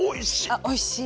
あおいしい。